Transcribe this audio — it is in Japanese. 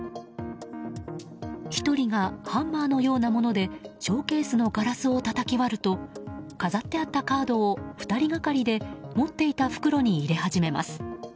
１人がハンマーのようなものでショーケースのガラスをたたき割ると飾ってあったカードを２人がかりで持っていた袋に入れ始めます。